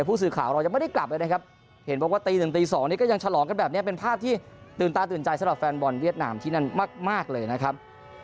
ผู้สื่อข่าวเรายังไม่ได้กลับเลยนะครับ